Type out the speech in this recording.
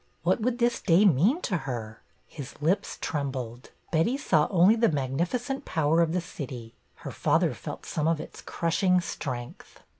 What would this day mean to her? His lips trembled. Betty saw only the magnificent power of the city; her father felt some of its crushing strength.